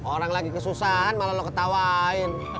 orang lagi kesusahan malah lo ketawain